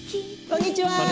こんにちは。